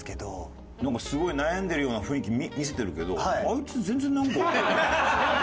なんかすごい悩んでるような雰囲気見せてるけどあいつ全然なんか。ハハハハ！